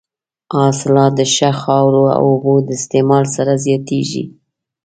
حاصلات د ښه خاورو او اوبو د استعمال سره زیاتېږي.